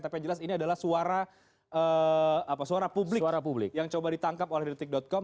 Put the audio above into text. tapi yang jelas ini adalah suara publik suara publik yang coba ditangkap oleh detik com